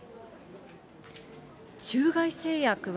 中外製薬は、